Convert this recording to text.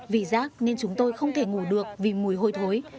vì rác nên chúng tôi không thể ngủ được vì mùi hôi thối